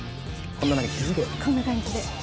こんな感じで。